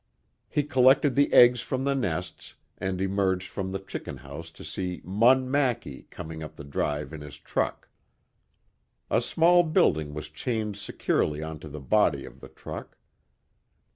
He collected the eggs from the nests and emerged from the chicken house to see Munn Mackie coming up the drive in his truck. A small building was chained securely onto the body of the truck.